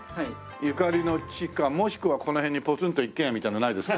ゆかりの地かもしくはこの辺にポツンと一軒家みたいのないですか？